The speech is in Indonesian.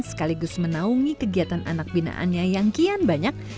sekaligus menaungi kegiatan anak binaannya yang kian banyak